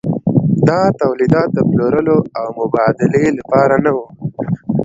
دا تولیدات د پلورلو او مبادلې لپاره نه وو.